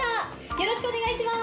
よろしくお願いします！